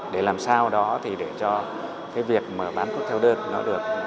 để làm sao đó thì để cho cái việc bán thuốc theo đơn